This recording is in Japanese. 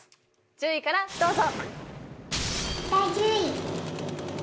１０位からどうぞ。